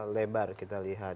lebar kita lihat